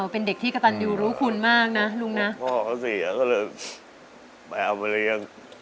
เป็นเด็กที่กระตันยูรู้คุณมากนะลุงนะพ่อเขาเสียก็เลยไปเอามาเลี้ยง